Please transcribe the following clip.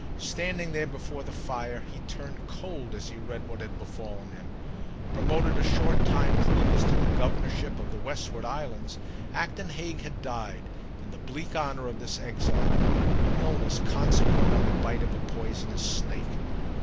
Standing there before the fire he turned cold as he read what had befallen him. Promoted a short time previous to the governorship of the Westward Islands, Acton Hague had died, in the bleak honour of this exile, of an illness consequent on the bite of a poisonous snake.